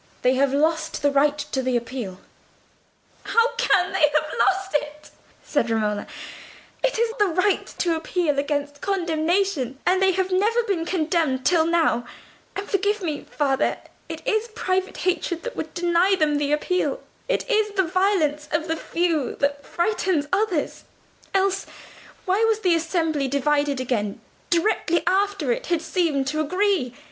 They have lost the right to the appeal." "How can they have lost it?" said Romola. "It is the right to appeal against condemnation, and they have never been condemned till now; and, forgive me, father, it is private hatred that would deny them the appeal; it is the violence of the few that frightens others; else why was the assembly divided again directly after it had seemed to agree?